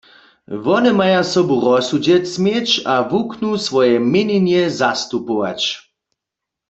Wone maja sobu rozsudźeć směć a wuknu swoje měnjenje zastupować.